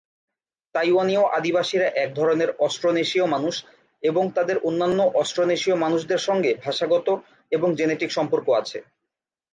তাইওয়ানীয় আদিবাসীরা এক ধরনের অস্ট্রোনেশীয় মানুষ, এবং তাদের অন্যান্য অস্ট্রোনেশীয় মানুষদের সঙ্গে ভাষাগত এবং জেনেটিক সম্পর্ক আছে।